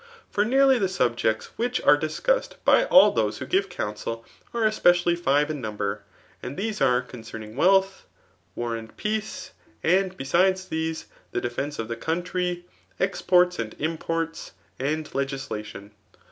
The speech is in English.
For nearly the subjects which are diteOssedby alll those who give counsel, are especklly five m number { and these are, ccmceming wealth, war, and peace; and besides these, the defence of the country, ekjk^its aihd imports } and legislation.